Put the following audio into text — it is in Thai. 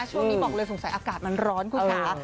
ช่วงนี้บอกเลยสงสัยอากาศมันร้อนคุณค่ะ